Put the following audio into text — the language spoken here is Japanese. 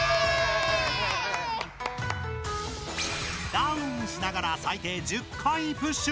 ダウンしながら最低１０回プッシュ。